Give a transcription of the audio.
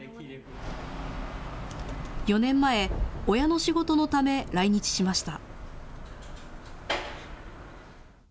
４年前、親の仕事のため来日しました。